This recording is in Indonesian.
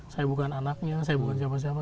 saya bukan anaknya saya bukan siapa siapa